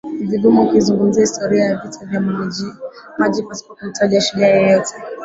Ni vigumu kuizungumzia Historia ya vita vya Majimaji pasipo kumtaja Shujaa huyu